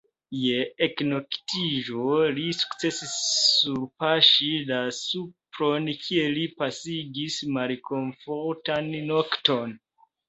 Je eknoktiĝo li sukcesis surpaŝi la supron, kie li pasigis malkomfortan nokton.